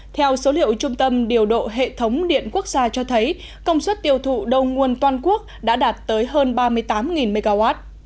theo số liệu trung tâm điều độ hệ thống điện quốc gia cho thấy công suất tiêu thụ đầu nguồn toàn quốc đã đạt tới hơn ba mươi tám mw